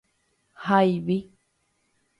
hayvi